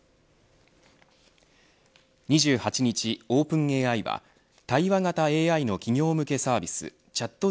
２８日、オープンＡＩは対話型ＡＩの企業向けサービス